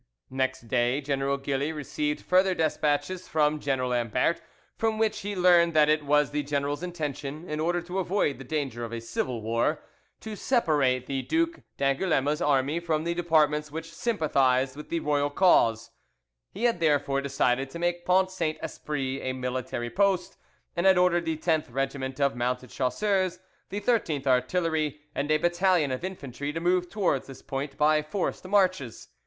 Next day General Gilly received further despatches from General Ambert, from which he learned that it was the general's intention, in order to avoid the danger of a civil war, to separate the Duc d'Angouleme's army from the departments which sympathised with the royal cause; he had therefore decided to make Pont Saint Esprit a military post, and had ordered the 10th Regiment of mounted chasseurs, the 13th artillery, and a battalion of infantry to move towards this point by forced marches.